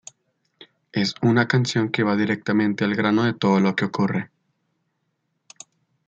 Es una canción que va directamente al grano de todo lo que ocurre.